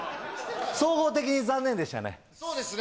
総合的に残念でしたね。